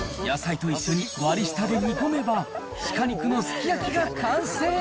野菜と一緒に割り下で煮込めば、シカ肉のすき焼きが完成。